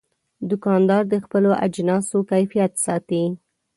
دوکاندار د خپلو اجناسو کیفیت ساتي.